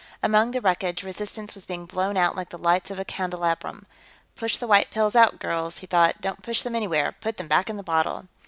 Among the wreckage, resistance was being blown out like the lights of a candelabrum. Push the white pills out, girls, he thought. Don't push them anywhere; put them back in the bottle.